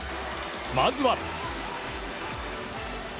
まずは。